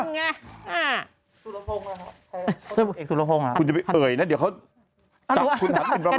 สุราพงศ์เหรอครับคุณจะไปเอ่ยนะเดี๋ยวเขาจับคุณถามสมประมาณ